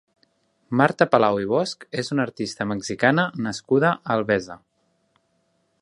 Marta Palau i Bosch és una artista mexicana nascuda a Albesa.